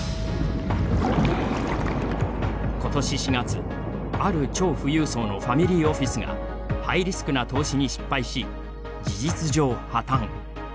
ことし４月、ある超富裕層のファミリーオフィスがハイリスクな投資に失敗し事実上破綻。